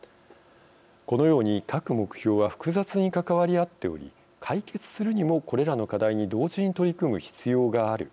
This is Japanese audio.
このように、各目標は複雑に関わり合っており解決するにもこれらの課題に同時に取り組む必要がある。